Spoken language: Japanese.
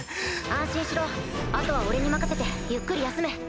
安心しろ後は俺に任せてゆっくり休め。